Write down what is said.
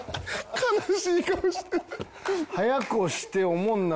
悲しい顔して。